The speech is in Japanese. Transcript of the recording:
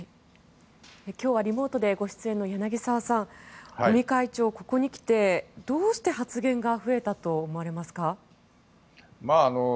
今日はリモートでご出演の柳澤さん尾身会長、ここに来てどうして発言が増えたと思われますか？